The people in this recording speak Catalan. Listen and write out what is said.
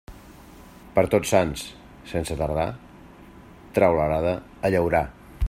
Per Tots Sants, sense tardar, trau l'arada a llaurar.